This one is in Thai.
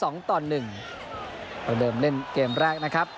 ก็เริ่มเล่นเกมแรกนะครับ